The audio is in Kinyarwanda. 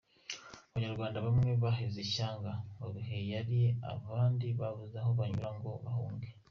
Abanyarwanda bamwe baheze ishyanga mu gihe hari abandi babuze aho banyura ngo bahunge.